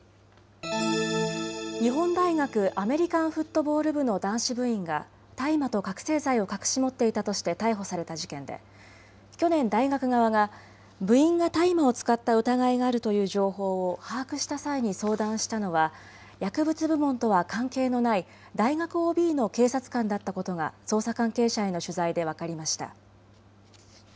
日本大学アメリカンフットボール部の男子部員が大麻と覚醒剤を隠し持っていたとして逮捕された事件で去年、大学側が部員が大麻を使った疑いがあるという情報を把握した際に相談したのは薬物部門とは関係のない大学ＯＢの警察官だったことが捜査関係者への取材で分かりました。